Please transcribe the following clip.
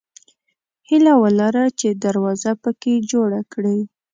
هیله ولره چې دروازه پکې جوړه کړې.